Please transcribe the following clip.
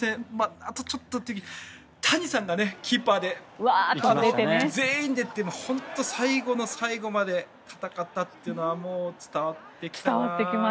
あとちょっとという時谷さんがキーパーで全員でって本当に最後の最後まで戦ったというのは伝わってきたな。